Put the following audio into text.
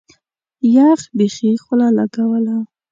يخ بيخي خوله لګوله.